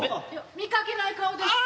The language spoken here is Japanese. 見かけない顔ですけど。